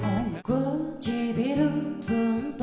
「くちびるつんと」